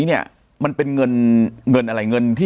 ปากกับภาคภูมิ